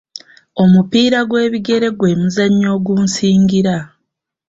Omupiira gw'ebigere gwe muzannyo ogunsingira.